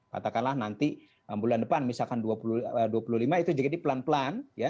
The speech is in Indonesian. katakanlah nanti bulan depan misalkan dua puluh lima itu jadi pelan pelan